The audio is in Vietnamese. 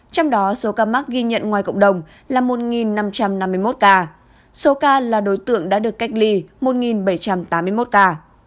trong đó số ca mắc ghi nhận ngoài cộng đồng là một năm trăm năm mươi một ca số ca là đối tượng đã được cách ly một bảy trăm tám mươi một ca